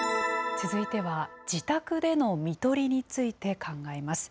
続いては、自宅でのみとりについて考えます。